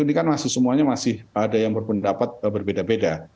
ini kan semuanya masih ada yang berpendapat berbeda beda